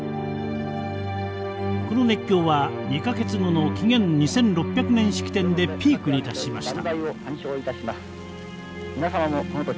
この熱狂は２か月後の紀元二千六百年式典でピークに達しました。